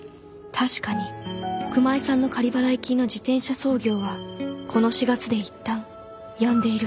確かに熊井さんの仮払い金の自転車操業はこの４月で一旦やんでいる。